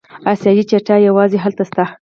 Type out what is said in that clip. اسیایي چیتا یوازې هلته شته.